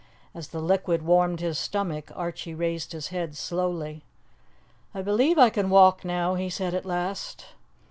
As the liquid warmed his stomach, Archie raised his head slowly. "I believe I can walk now," he said at last.